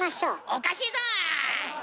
おかしいぞ！